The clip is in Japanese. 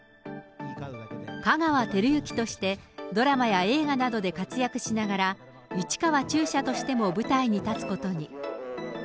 香川照之として、ドラマや映画などで活躍しながら、市川中車としても舞台に立つことに。